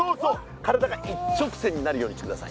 体が一直線になるようにしてください。